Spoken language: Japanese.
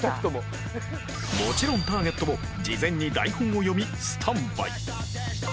もちろんターゲットも事前に台本を読みスタンバイ